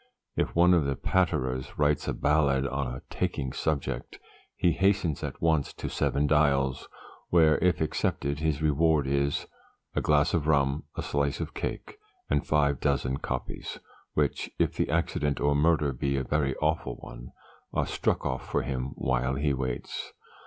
If one of the patterers writes a ballad on a taking subject, he hastens at once to Seven Dials, where, if accepted, his reward is 'a glass of rum, a slice of cake, and five dozen copies,' which, if the accident or murder be a very awful one, are struck off for him while he waits.